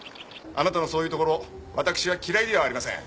あなたのそういうところ私は嫌いではありません。